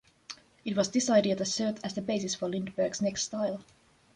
It was this idea that served as the basis for Lindberg's next style.